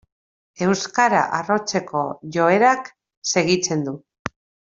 Euskara arrotzeko joerak segitzen du.